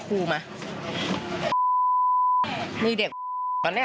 หนูสอนแล้วแต่ลูกหนูมันเป็นแบบนี้